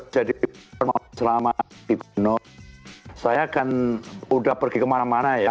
jadi selama di bino saya kan sudah pergi kemana mana ya